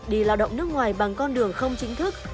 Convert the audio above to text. đi lao động nước ngoài bằng con đường không chính thức